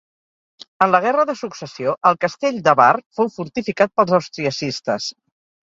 En la guerra de Successió, el castell de Bar fou fortificat pels austriacistes.